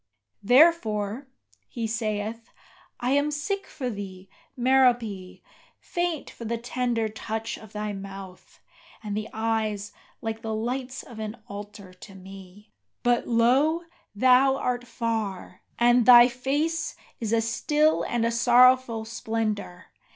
Therefore," he saith, "I am sick for thee, Merope, faint for the tender Touch of thy mouth, and the eyes like the lights of an altar to me; But, lo, thou art far; and thy face is a still and a sorrowful splendour!